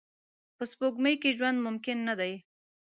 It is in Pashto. په سپوږمۍ کې ژوند ممکن نه دی